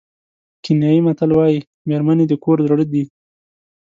کینیايي متل وایي مېرمنې د کور زړه دي.